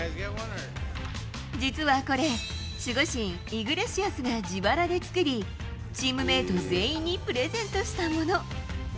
実はこれ、守護神、イグレシアスが自腹で作り、チームメート全員にプレゼントしたもの。